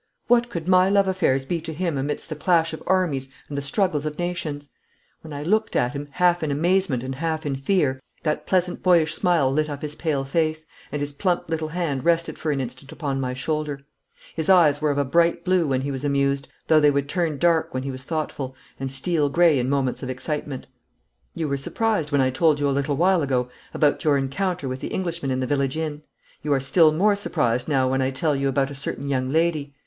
What could my love affairs be to him amidst the clash of armies and the struggles of nations? When I looked at him, half in amazement and half in fear, that pleasant boyish smile lit up his pale face, and his plump little hand rested for an instant upon my shoulder. His eyes were of a bright blue when he was amused, though they would turn dark when he was thoughtful, and steel grey in moments of excitement. 'You were surprised when I told you a little while ago about your encounter with the Englishman in the village inn. You are still more surprised now when I tell you about a certain young lady.